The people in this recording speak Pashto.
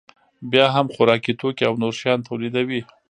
بیا هم خوراکي توکي او نور شیان تولیدوي